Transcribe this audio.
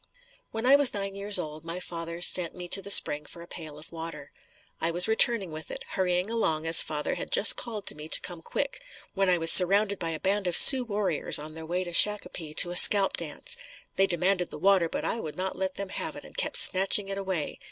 When I was nine years old my father sent me to the spring for a pail of water. I was returning with it, hurrying along as father had just called to me to come quick, when I was surrounded by a band of Sioux warriors on their way to Shakopee to a scalp dance. They demanded the water but I would not let them have it and kept snatching it away.